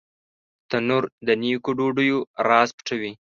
تنور د نیکو ډوډیو راز پټوي